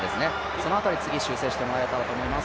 その辺り、次に修正してもらえたらと思います。